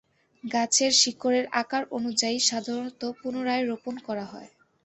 গাছের শিকড়ের আকার অনুযায়ী সাধারণত পুনরায় রোপণ করা হয়।